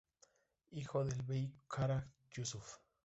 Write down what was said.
Hijo del bey Qara Yusuf.